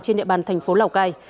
trên địa bàn tp lào cai